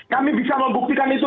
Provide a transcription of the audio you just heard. kami bisa membuktikan itu